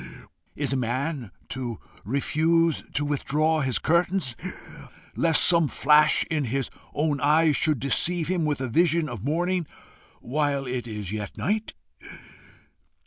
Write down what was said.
Is a man to refuse to withdraw his curtains lest some flash in his own eyes should deceive him with a vision of morning while yet it is night?